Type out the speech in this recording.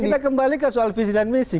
kita kembali ke soal visi dan misi